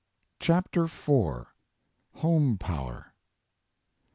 CHAPTER IV HOME POWER.